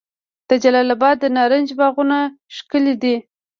د جلال اباد د نارنج باغونه ښکلي دي.